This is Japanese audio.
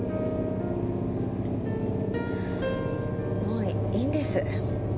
もういいんです。